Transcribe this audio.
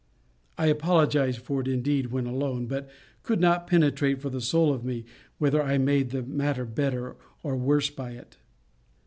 I apologized for it indeed when alone; but could not penetrate for the soul of me, whether I made the matter better or worse by it.